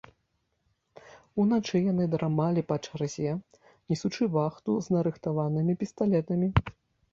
Уначы яны драмалі па чарзе, несучы вахту з нарыхтаванымі пісталетамі.